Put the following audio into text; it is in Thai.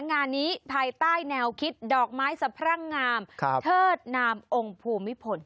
งานนี้ภายใต้แนวคิดดอกไม้สะพรั่งงามเทิดนามองค์ภูมิพล